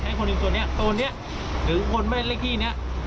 ให้คนหนึ่งตัวนี้ตัวนี้หรือคนไม่ได้เลขที่นี้